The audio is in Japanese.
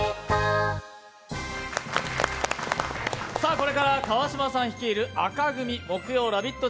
これから川島さん率いる赤組・木曜ラヴィット！